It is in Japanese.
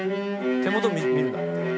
「手元見るなって。